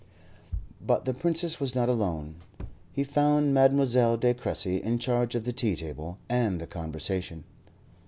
But the Princess was not alone. He found Mademoiselle de Cressy in charge of the tea table and the conversation.